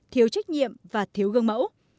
thiếu trách nhiệm và thiếu gương mẫu